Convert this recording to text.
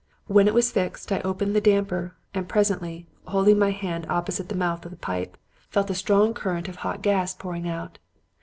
When it was fixed, I opened the damper, and presently, holding my hand opposite the mouth of the pipe, felt a strong current of hot gas pouring out.